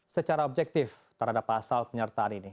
secara objektif terhadap pasal penyertaan ini